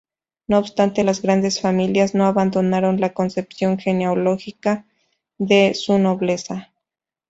No obstante, las grandes familias no abandonaron la concepción genealógica de su nobleza.